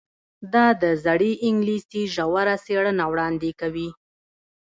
دا د زړې انګلیسي ژوره څیړنه وړاندې کوي.